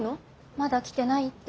まだ来てないって。